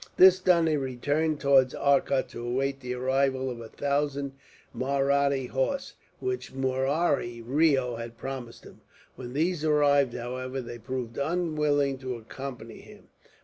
This done, he returned towards Arcot to await the arrival of a thousand Mahratta horse, which Murari Reo had promised him. When these arrived, however, they proved unwilling to accompany him.